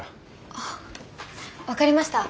あ分かりました。